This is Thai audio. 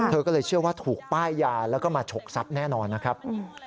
เธอก็เลยเชื่อว่าถูกป้ายยาแล้วก็มาฉกทรัพย์แน่นอนนะครับ